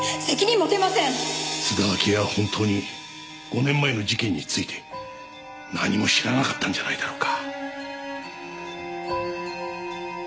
津田明江は本当に５年前の事件について何も知らなかったんじゃないだろうか。